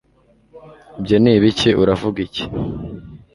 Ibyo ni ibiki Uravuga iki